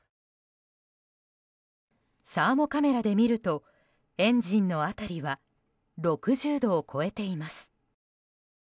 サーモカメラで見るとエンジンの辺りは６０度を超えています。